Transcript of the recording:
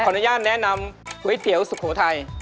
ขออนุญาตแนะนำคุ้ยเตี๋ยวสุปโภไทน์